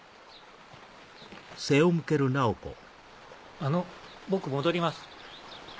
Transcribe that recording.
あの僕戻ります。